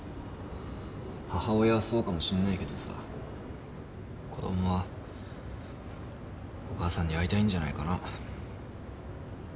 母親はそうかもしんないけどさ子供はお母さんに会いたいんじゃないかな。